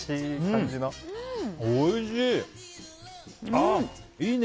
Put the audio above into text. おいしい。